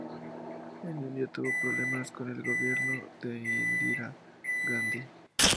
En India tuvo problemas con el Gobierno de Indira Gandhi.